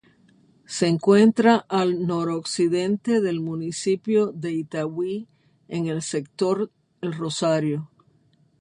Se encuentra al noroccidente del municipio de Itagüí en el "sector el Rosario".